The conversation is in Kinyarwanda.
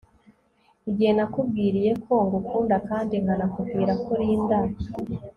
igihe nakubwiriye ko ngukunda kandi nkanakubwira ko Linda